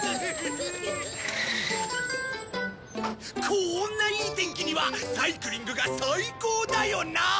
こんないい天気にはサイクリングが最高だよな！